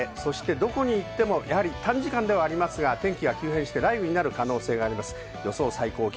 どこに行っても短時間ではありますが、天気が急変する可能性があります。